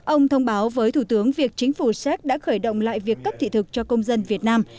ông thông báo với thủ tướng việc chính phủ séc đã khởi động lại việc cấp thị thực cho công dân việt nam